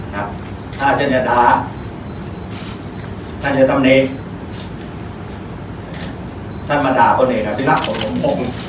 ถ้าฉันจะด่าฉันจะทำนี้ฉันมาด่าคนเองที่รักของผม